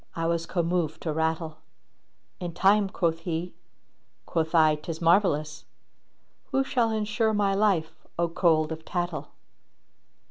I was commoved to rattle: 'In time,' quoth he: quoth I ' 'Tis marvellous! * Who shall ensure my life, O cold of tattle!'"